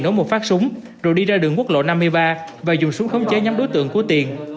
nổ một phát súng rồi đi ra đường quốc lộ năm mươi ba và dùng súng khống chế nhóm đối tượng của tiền